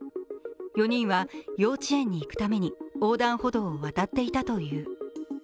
４人は幼稚園に行くために横断歩道を渡っていたという。